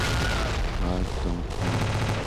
Everyone should be encouraged to attend university.